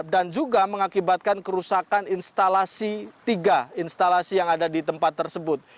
dan juga mengakibatkan kerusakan instalasi tiga instalasi yang ada di tempat tersebut